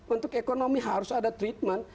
untuk ekonomi harus ada treatment